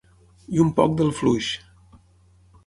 I un poc del fluix.